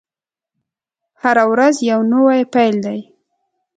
هره ورځ يو نوی پيل دی.